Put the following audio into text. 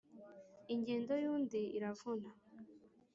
Ingendo y’undi iravuna.